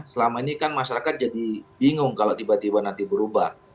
selama ini kan masyarakat jadi bingung kalau tiba tiba nanti berubah